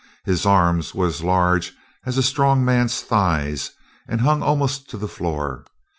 His arms were as large as a strong man's thigh and hung almost to the floor.